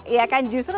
iya kan justru